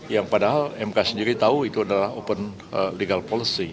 yang padahal mk sendiri tahu itu adalah open legal policy